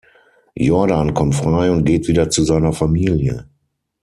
Jordan kommt frei und geht wieder zu seiner Familie.